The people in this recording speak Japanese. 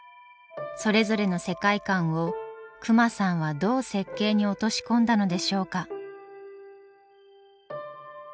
それぞれの世界観を隈さんはどう設計に落とし込んだのでしょうか？